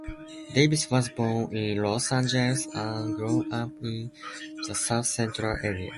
Davis was born in Los Angeles and grew up in the South Central area.